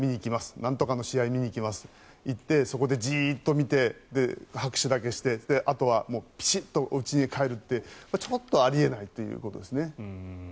なんとかの試合を見に行きますっていってそこでじっと見て、拍手だけしてあとはピシッとうちに帰るってちょっとあり得ないと。